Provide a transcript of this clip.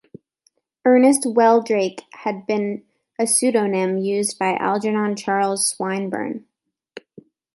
"Ernest Wheldrake" had been a pseudonym used by Algernon Charles Swinburne.